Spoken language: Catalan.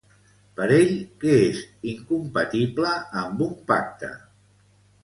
Per ell, què és incompatible amb un pacte?